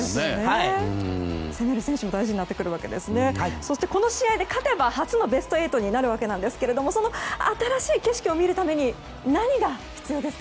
そして、この試合で最初のベスト８になるわけですがその新しい景色を見るために何が必要ですか？